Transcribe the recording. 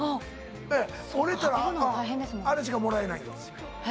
折れたら、あれしかもらえないんです。